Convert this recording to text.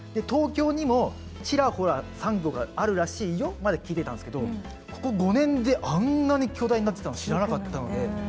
「東京にも、ちらほらサンゴがあるらしいよ」まで聞いてたんですけどここ５年であんなに巨大になってたの知らなかったので。